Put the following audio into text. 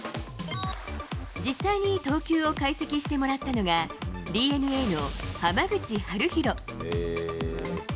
実際に投球を解析してもらったのが、ＤｅＮＡの浜口遥大。